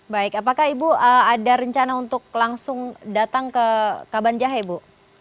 baik apakah ibu ada rencana untuk langsung datang ke kabanjahe ibu